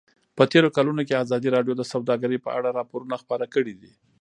په تېرو کلونو کې ازادي راډیو د سوداګري په اړه راپورونه خپاره کړي دي.